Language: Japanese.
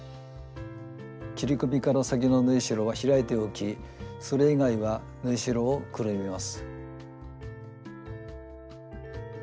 切り込みから先の縫いしろは開いておきそれ以外は縫いしろをくるみます。